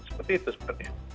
seperti itu sebenarnya